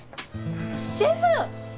シェフ！